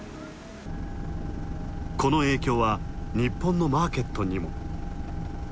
この影響は日本のマーケットにも。